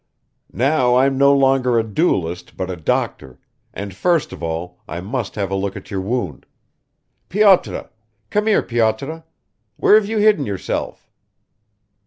"Now I'm no longer a duelist but a doctor, and first of all I must have a look at your wound. Pyotr! Come here, Pyotr! Where have you hidden yourself?"